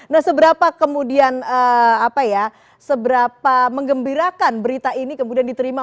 nah seberapa kemudian seberapa mengembirakan berita ini kemudian diterima